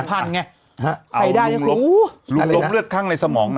สัมพันธ์ไงลุงลบเลือดขั้งในสมองนะ